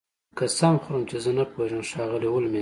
قسم خورم چې زه نه پوهیږم ښاغلی هولمز